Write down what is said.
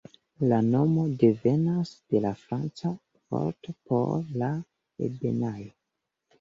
La nomo devenas de la franca vorto por 'la ebenaĵo'.